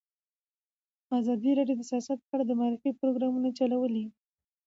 ازادي راډیو د سیاست په اړه د معارفې پروګرامونه چلولي.